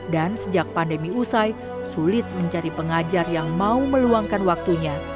dan sejak pandemi usai sulit mencari pengajar yang mau meluangkan waktunya